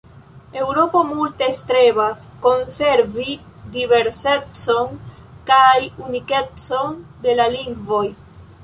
Eŭropo multe strebas konservi diversecon kaj unikecon de lingvoj.